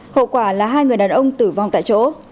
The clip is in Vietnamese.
hậu quả là hai người đàn ông tử vong tại chỗ